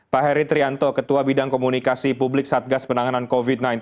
pak heri trianto ketua bidang komunikasi publik satgas penanganan covid sembilan belas